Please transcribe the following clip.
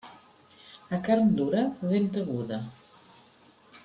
A carn dura, dent aguda.